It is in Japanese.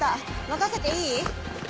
任せていい？